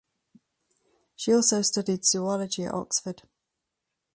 She also studied zoology at Oxford.